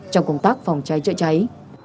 trong công tác phòng cháy chữa cháy